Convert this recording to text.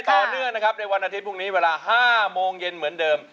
ต่อเนื่องนะครับในวันอาทิตย์พรุ่งนี้เวลา๕โมงเย็นเหมือนเดิม